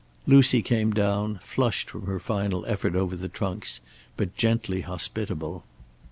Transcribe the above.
Lucy came down, flushed from her final effort over the trunks, but gently hospitable.